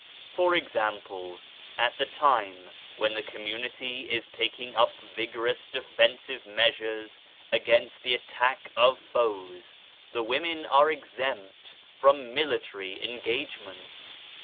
For example, at the time when the community is taking up vigorous defensive measures against the attack of foes, the women are exempt from military engagements.